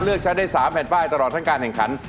เลือกใช้ได้๓แผ่นป้ายตลอดทั้งการแข่งขัน